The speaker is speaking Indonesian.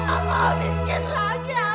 kepawanya tabu pak